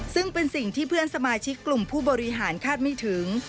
ซึ่งเป็นสิ่งที่เพื่อนสมาชิกกลุ่มผู้บริหารคาดไม่ถึง